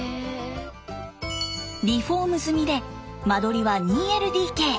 リフォーム済みで間取りは２ＬＤＫ。